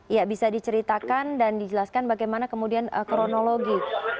ya bisa diceritakan dan dijelaskan bagaimana kemudian kronologi